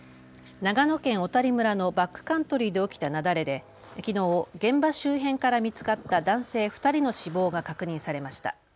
長野県小谷村のバックカントリーで起きた雪崩できのう現場周辺から見つかった男性２人の死亡が確認されました。